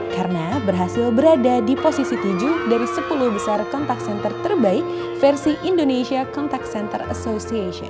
karena berhasil berada di posisi tujuh dari sepuluh besar kontak senter terbaik versi indonesia contact center association